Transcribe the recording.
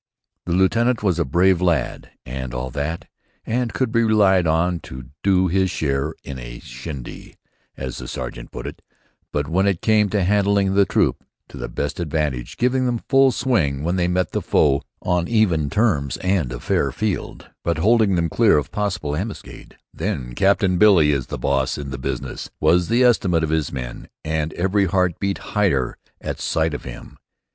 The lieutenant was a brave lad and all that, and could be relied on to "do his share in a shindy," as the sergeant put it, but when it came to handling the troop to the best advantage, giving them full swing when they met the foe on even terms and a fair field, but holding them clear of possible ambuscade, then "Captain Billy is the boss in the business," was the estimate of his men, and every heart beat higher at sight of him.